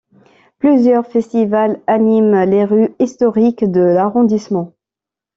Plusieurs festivals animent les rues historiques de l'arrondissement.